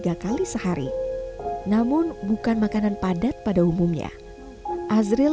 tiga kali sehari namun bukan makanan padat pada umumnya azril